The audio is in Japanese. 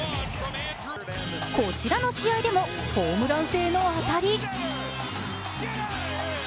こちらの試合でもホームラン性の当たり。